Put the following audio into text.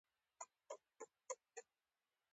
ښایي جګړه سخته وه.